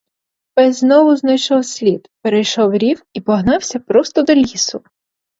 Пес знову знайшов слід, перейшов рів і погнався просто до лісу.